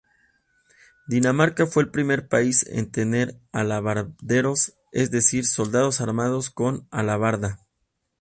Dinamarca fue el primer país en tener alabarderos, es decir, soldados armados con alabarda.